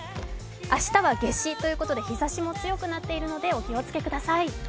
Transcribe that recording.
明日は夏至ということで、日ざしも強くなっているのでお気をつけください。